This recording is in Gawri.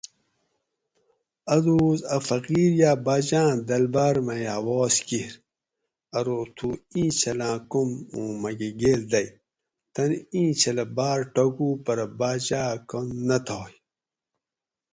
"آدوس اٞ فقیرہ یا باچہ اٞ دلبار مئی ہواس کیر اٞرو ""تُھو اِیں چھلاں کُوم اُو مٞکہ گیل دٞگ"" تن اِیں چھلہ بار ٹاکُو پٞرہ باچا اٞ کن نہ تھاگ"